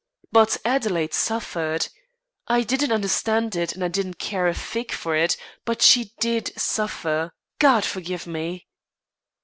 But Adelaide suffered. I didn't understand it and I didn't care a fig for it, but she did suffer. God forgive me!"